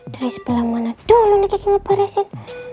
dari sebelah mana dulu nih kiki ngebarasin